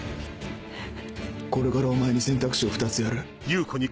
これからお前に選択肢を２つやる。